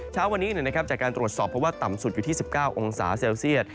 เช้าวันนี้จากการตรวจสอบเพราะว่าต่ำสุดอยู่ที่๑๙องศาเซลเซียต